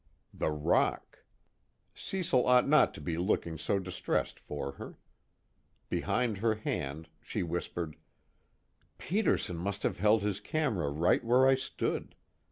The rock. Cecil ought not to be looking so distressed for her. Behind her hand she whispered: "Peterson must have held his camera right where I stood.